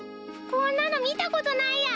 こんなの見たことないや！